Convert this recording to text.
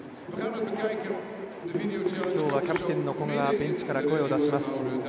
今日はキャプテンの古賀がベンチから声を出します。